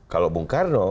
kalau bung karno